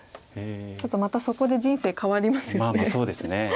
ちょっとまたそこで人生変わりますよね。